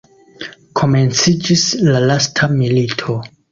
Komenciĝis la lasta milito.